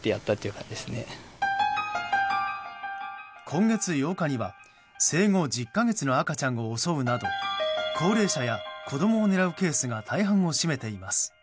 今月８日には生後１０か月の赤ちゃんを襲うなど高齢者や子供を狙うケースが大半を占めています。